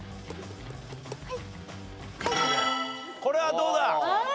これはどうだ？